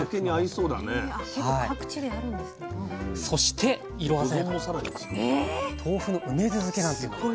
そして色鮮やかな豆腐の梅酢漬けなんていうのも。